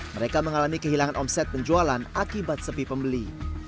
mereka mengalami kehilangan omset penjualan akibat sepi pembeli